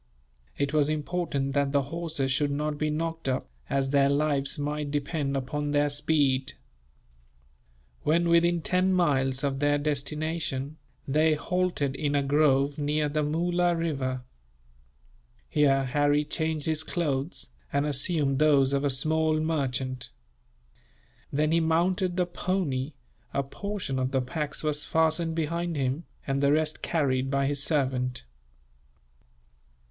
It was important that the horses should not be knocked up, as their lives might depend upon their speed. When within ten miles of their destination, they halted in a grove near the Moola river. Here Harry changed his clothes, and assumed those of a small merchant. Then he mounted the pony; a portion of the packs was fastened behind him, and the rest carried by his servant.